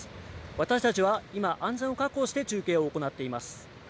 私たちは今、安全を確保して中継を行っています。